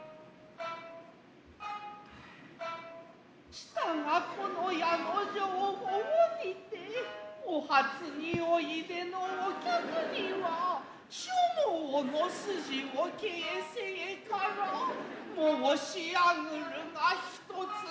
したがこの家の定法にてお初においでのお客には所望の筋を傾城から申上ぐるが一つの座興。